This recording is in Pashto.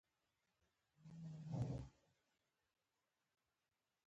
د یوه سړي په ور اوښتو چاودنه نه شي کېدای.